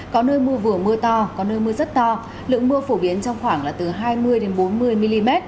có nơi mưa vừa mưa to có nơi mưa rất to lượng mưa phổ biến trong khoảng là từ hai mươi bốn mươi mm